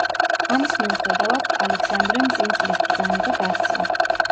ამის მიუხედავად, ალექსანდრემ წინსვლის ბრძანება გასცა.